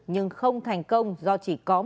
nhưng không thành công do chỉ có